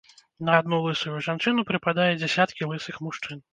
На адну лысую жанчыну прыпадае дзясяткі лысых мужчын.